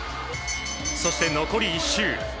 そして残り１周。